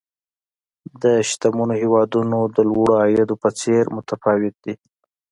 د شتمنو هېوادونو د لوړو عوایدو په څېر متفاوت دي.